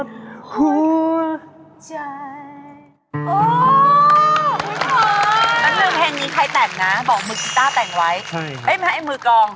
ไม่ค่ะมือกอง